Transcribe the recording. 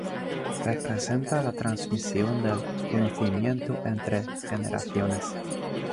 Representa la transmisión del conocimiento entre generaciones.